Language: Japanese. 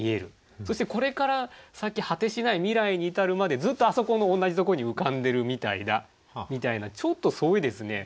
そしてこれから先果てしない未来に至るまでずっとあそこの同じところに浮かんでるみたいだみたいなちょっとそういうですね